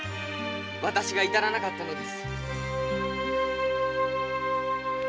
私が至らなかったのです。